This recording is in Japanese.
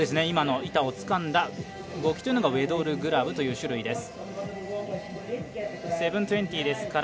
今の板をつかんだ動きというのがウェドルグラブという種類です。